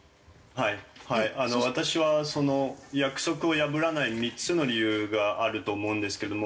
はいあの私はその約束を破らない３つの理由があると思うんですけども。